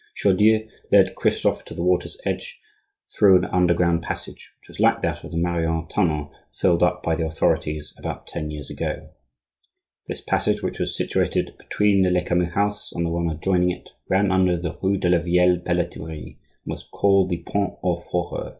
Chaudieu led Christophe to the water's edge through an underground passage, which was like that of the Marion tunnel filled up by the authorities about ten years ago. This passage, which was situated between the Lecamus house and the one adjoining it, ran under the rue de la Vieille Pelleterie, and was called the Pont aux Fourreurs.